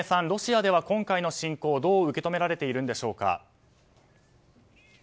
ロシアでは今回の侵攻どう受け止められているのでしょうか。